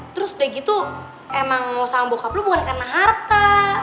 terus udah gitu emang mau sama bokap lu bukan karena harta